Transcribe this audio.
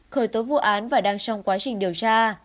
khởi tố vụ án và đang trong quá trình điều tra